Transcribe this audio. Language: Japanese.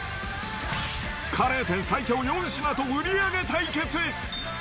カレー店最強４品と売り上げ対決。